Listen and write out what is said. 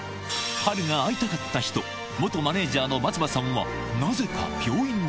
波瑠が会いたかった人、元マネージャーの松葉さんは、なぜか病院に。